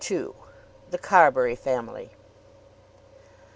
THE CARBURY FAMILY.